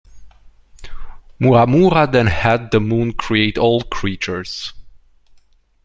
Mooramoora then had the Moon create all creatures.